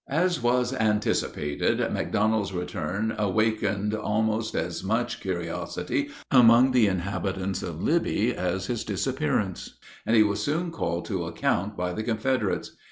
As was anticipated, McDonald's return awakened almost as much curiosity among the inhabitants of Libby as his disappearance, and he was soon called to account by the Confederates.